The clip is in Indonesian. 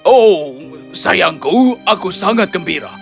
oh sayangku aku sangat gembira